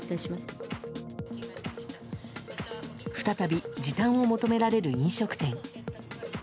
再び時短を求められる飲食店。